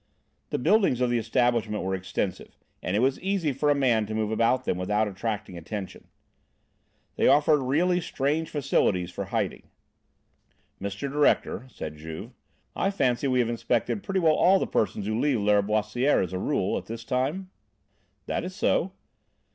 The buildings of the establishment were extensive, and it was easy for a man to move about them without attracting attention. They offered really strange facilities for hiding. "Mr. Director," said Juve, "I fancy we have inspected pretty well all the persons who leave Lâriboisière as a rule, at this time?" "That is so."